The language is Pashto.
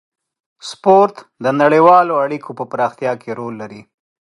سپورت د نړیوالو اړیکو په پراختیا کې رول لري.